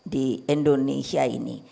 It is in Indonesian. di indonesia ini